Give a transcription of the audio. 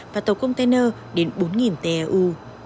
và tàu container đến bốn teu